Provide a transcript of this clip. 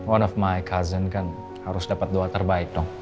one of my cousin kan harus dapat doa terbaik dong